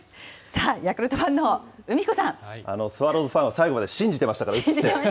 さあ、スワローズファンは、最後まで信じてましたから、打つって。